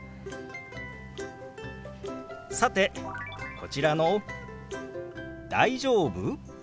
さてこちらの「大丈夫？」。